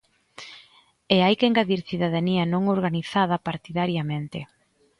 E hai que engadir cidadanía non organizada partidariamente.